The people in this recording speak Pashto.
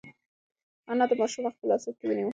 انا د ماشوم مخ په لاسونو کې ونیو.